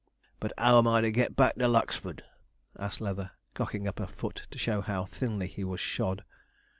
'But how am I to get back to Lucksford?' asked Leather, cocking up a foot to show how thinly he was shod.